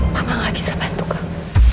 mama gak bisa bantu kamu